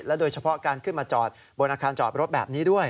โดยเฉพาะการขึ้นมาจอดบนอาคารจอดรถแบบนี้ด้วย